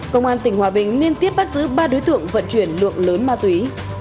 công an tỉnh hòa bình liên tiếp bắt giữ ba đối tượng vận chuyển lượng lớn ma túy